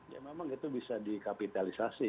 ya memang itu bisa dikapitalisasi